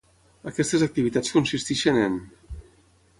Aquestes activitats consisteixen en: